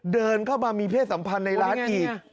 เดินเข้ามามีเพศสัมพันธ์ในร้านอีก